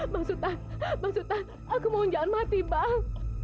bang sutan bang sutan aku mohon jangan mati bang